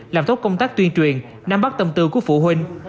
làm tốt công tác tuyên truyền nắm bắt tâm tư của phụ huynh